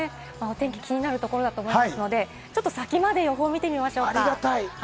お天気が気になるところだと思いますので、ちょっと先まで予報を見てみましょうか。